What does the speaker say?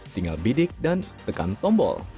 tinggal bidik dan tekan tombol